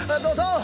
どうぞ！